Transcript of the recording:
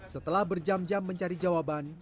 setelah berjam jam mencari jawaban